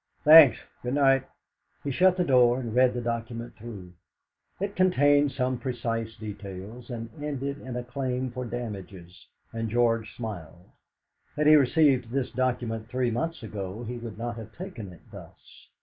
"Thanks. Good night!" He shut the door, and read the document through. It contained some precise details, and ended in a claim for damages, and George smiled. Had he received this document three months ago, he would not have taken it thus.